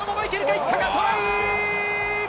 いったトライ！